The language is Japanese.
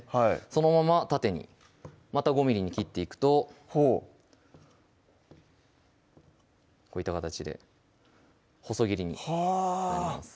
そのまま縦にまた５ｍｍに切っていくとほうこういった形で細切りになります